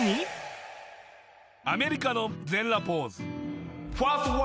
アメリカの全裸ポーズ。